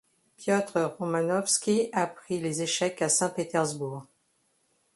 Piotr Romanovski apprit les échecs à Saint-Pétersbourg.